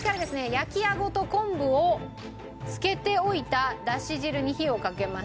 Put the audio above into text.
焼きあごと昆布を漬けておいただし汁に火をかけます。